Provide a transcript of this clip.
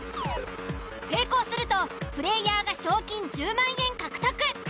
成功するとプレイヤーが賞金１０万円獲得。